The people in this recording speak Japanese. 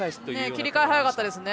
切り替え、早かったですね。